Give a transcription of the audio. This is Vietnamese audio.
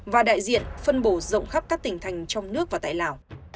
và đại diện phân bổ rộng khắp các tỉnh thành trong nước và tại lào